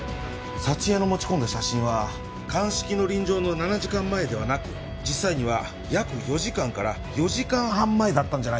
佐知恵の持ち込んだ写真は鑑識の臨場の７時間前ではなく実際には約４時間から４時間半前だったんじゃないですかね？